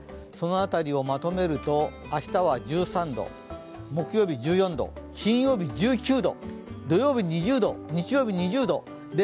その辺りをまとめると、明日は１３度木曜日１４度、金曜日１９度、土曜日２０度、日曜日２０度。